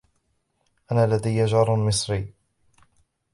أنا لدي جار مصري.